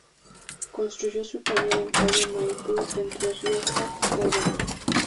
Construyó su taller en calle Maipú entre Rioja y Córdoba.